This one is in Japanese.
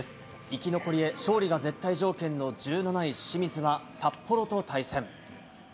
生き残りへ、勝利が絶対条件の１７位清水は札幌と対戦。